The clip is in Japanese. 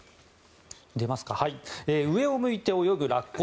上を向いて泳ぐラッコ。